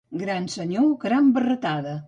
Gran senyor, gran barretada.